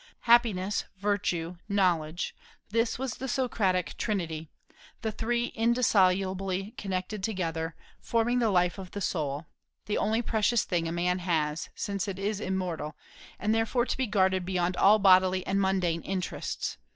Happiness, virtue, knowledge: this was the Socratic trinity, the three indissolubly connected together, and forming the life of the soul, the only precious thing a man has, since it is immortal, and therefore to be guarded beyond all bodily and mundane interests.